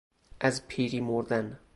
از پیری مردن